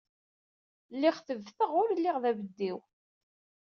Lliɣ tebteɣ ul lliɣ d abeddiw.